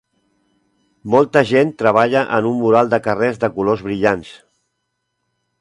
Molta gent treballa en un mural de carrer de colors brillants.